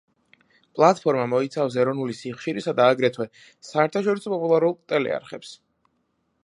პლატფორმა მოიცავს ეროვნული სიხშირისა და აგრეთვე, საერთაშორისო პოპულარულ ტელეარხებს.